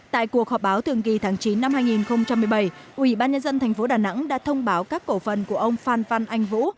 tại cuộc họp báo thường kỳ tháng chín năm hai nghìn một mươi bảy ubnd tp đà nẵng đã thông báo các cổ phần của ông phan văn anh vũ